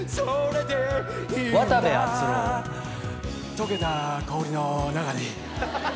溶けた北極の中に。